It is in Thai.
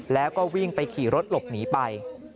แล้วก็วิ่งไปขี่รถหลบหนีไป